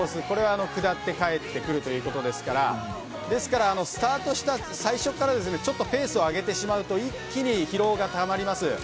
これを下って帰ってくるということですからですから、スタートした最初からペースを上げてしまうと一気に疲労がたまります。